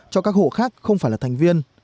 cho các hộ khác không phải là thành viên